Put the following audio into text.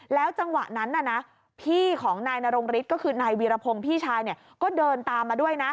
จังหวะนั้นพี่ของนายนรงฤทธิ์ก็คือนายวีรพงศ์พี่ชายก็เดินตามมาด้วยนะ